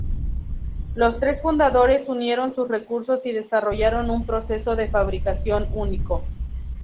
Los tres fundadores unieron sus recursos y desarrollaron un proceso de fabricación único.